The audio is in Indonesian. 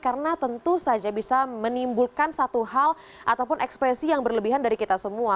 karena tentu saja bisa menimbulkan satu hal ataupun ekspresi yang berlebihan dari kita semua